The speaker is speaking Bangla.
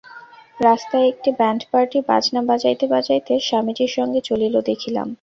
রাস্তায় একটি ব্যাণ্ড পার্টি বাজনা বাজাইতে বাজাইতে স্বামীজীর সঙ্গে চলিল, দেখিলাম।